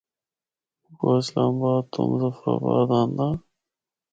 مُکّو اسلام آباد تو مظفرآباد آندا۔